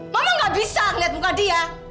mama nggak bisa melihat muka dia